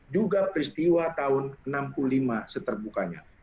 juga peristiwa tahun enam puluh lima seterbukanya